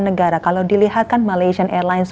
negara kalau dilihatkan malaysia airlines